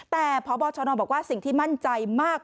แต่พบชนบอกว่าสิ่งที่มั่นใจมาก